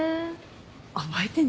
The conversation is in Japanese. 覚えてね。